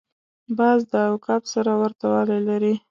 باز د عقاب سره ورته والی لري